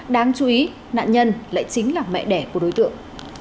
đáng chú ý nạn nhân lại chính là mẹ đẻ của đối tượng